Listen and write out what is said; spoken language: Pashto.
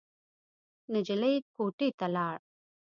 نجلۍ کوټې ته لاړ.